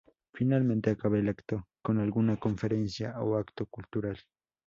Finalmente acaba el acto con alguna conferencia o acto cultural.